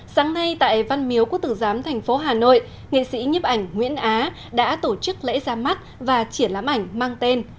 sáng nay tại văn miếu của tử giám tp hà nội nghệ sĩ nhếp ảnh nguyễn á đã tổ chức lễ ra mắt và triển lãm ảnh mang tên